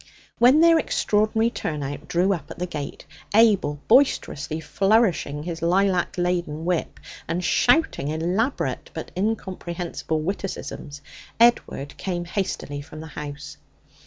When their extraordinary turn out drew up at the gate, Abel boisterously flourishing his lilac laden whip and shouting elaborate but incomprehensible witticisms, Edward came hastily from the house.